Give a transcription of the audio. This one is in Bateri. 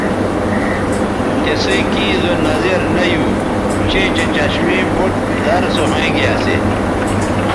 تِسئ کیں زو نظر نہ یو چیں چہء چشمے بُٹ زر سو ھوینگے اسی